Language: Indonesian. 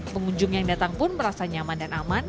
pengunjung yang datang pun merasa nyaman dan aman